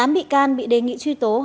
tám bị can bị đề nghị truy tố